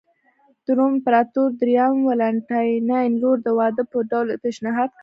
د روم امپراتور درېیم والنټیناین لور د واده په ډول پېشنهاد کړه